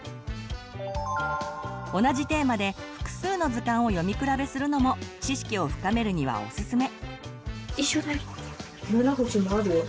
同じテーマで複数の図鑑を読み比べするのも知識を深めるにはおすすめ。